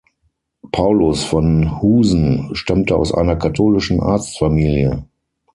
Paulus van Husen stammte aus einer katholischen Arztfamilie.